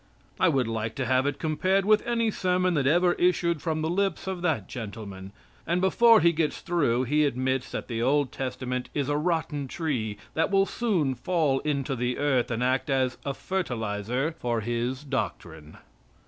I would like to have it compared with any sermon that ever issued from the lips of that gentleman. And before he gets through he admits that the Old Testament is a rotten tree that will soon fall into the earth and act as a fertilizer for his doctrine.